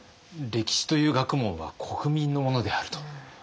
歴史という学問は国民のものであると。